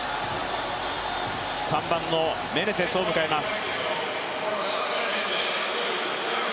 ３番のメネセスを迎えます。